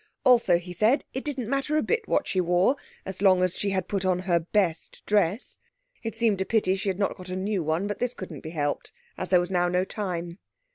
Also, he said, it didn't matter a bit what she wore, as long as she had put on her best dress. It seemed a pity she had not got a new one, but this couldn't be helped, as there was now no time.